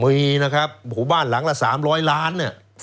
มีนะครับหมู่บ้านหลังละ๓๐๐ล้าน